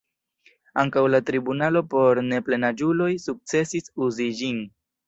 Ankaŭ la tribunalo por neplenaĝuloj sukcesis uzi ĝin.